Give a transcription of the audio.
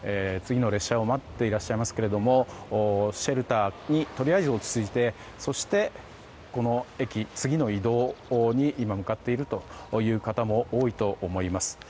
次の列車を待っていらっしゃいますけどシェルターにとりあえず落ち着いて、この駅から次の移動に向かっているという方も多いと思います。